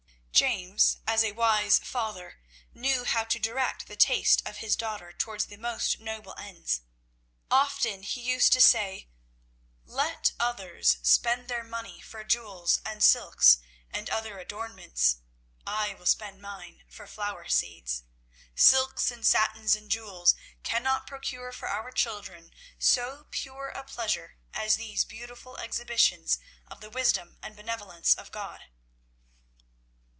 James, as a wise father, knew how to direct the taste of his daughter towards the most noble ends. Often he used to say, "Let others spend their money for jewels and silks and other adornments; I will spend mine for flower seeds. Silks and satins and jewels cannot procure for our children so pure a pleasure as these beautiful exhibitions of the wisdom and benevolence of God."